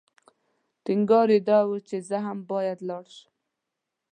ټینګار یې دا و چې زه هم باید لاړ شم.